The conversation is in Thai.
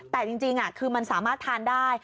แต่จริงคือมันสามารถทานได้